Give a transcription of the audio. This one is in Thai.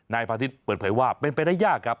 พาทิศเปิดเผยว่าเป็นไปได้ยากครับ